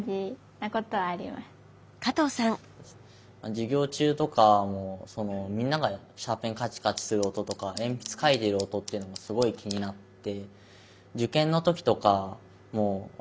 授業中とかもみんながシャーペンカチカチする音とか鉛筆書いてる音っていうのがすごい気になって。